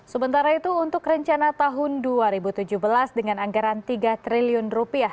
sementara itu untuk rencana tahun dua ribu tujuh belas dengan anggaran rp tiga triliun